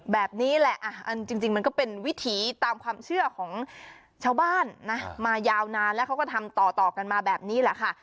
แบบนี้แหละจริงมันก็เป็นวิถีตามความเชื่อของชาวบ้านนะมายาวนานแล้วเขาก็ทำต่อกันมาแบบนี้แหละค่ะ